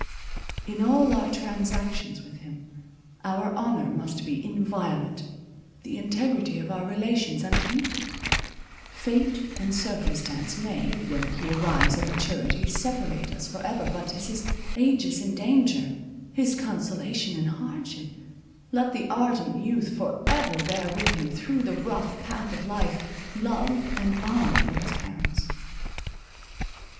In all our transactions with him our honour must be inviolate, the integrity of our relations untainted: fate and circumstance may, when he arrives at maturity, separate us for ever—but, as his aegis in danger, his consolation in hardship, let the ardent youth for ever bear with him through the rough path of life, love and honour for his parents.